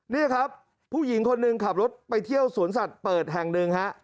นี่ครับผู้หญิงคนหนึ่งขับรถไปเที่ยวสวนสัตว์เปิดแห่งหนึ่งฮะ